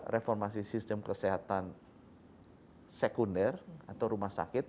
reformasi sistem kesehatan sekunder atau rumah sakit